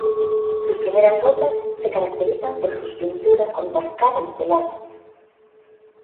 Sus primeras obras se caracterizan por sus pinturas con marcadas pinceladas.